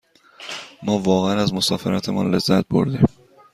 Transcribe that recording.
ما واقعاً از مسافرتمان لذت بردیم.